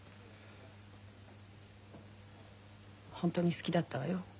ホントに好きだったわよ